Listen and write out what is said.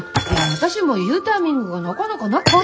私も言うタイミングがなかなかなくてね。